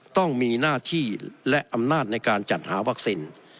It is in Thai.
ต้องมีหน้าที่และอำนาจในการจัดหาวัคซีน